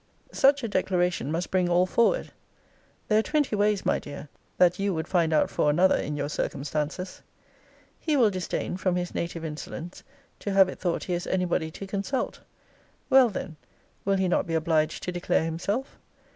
Such a declaration must bring all forward. There are twenty ways, my dear, that you would find out for another in your circumstances. He will disdain, from his native insolence, to have it thought he has any body to consult. Well then, will he not be obliged to declare himself?